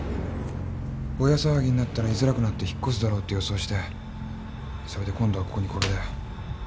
ボヤ騒ぎになったら居づらくなって引っ越すだろうって予想して今度はここにこれだよ！